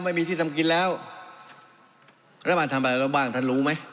ไม่มีที่ทำกินแล้วรัฐบาลทำอะไรบ้างท่านรู้ไหม